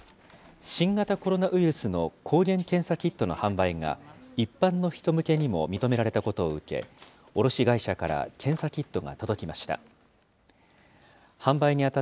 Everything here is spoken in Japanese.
新型コロナウイルスの抗原検査キットの販売が、一般の人向けにも認められたことを受け、卸会社から検査キットが届きました。